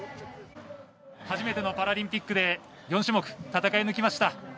初めてのパラリンピックで４種目戦い抜きました。